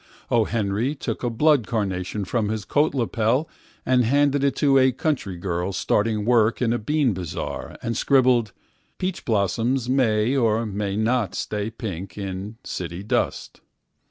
O. Henry took a blood carnation from his coat lapeland handed it to a country girl starting work in abean bazaar, and scribbled: "Peach blossoms may ormay not stay pink in city dust."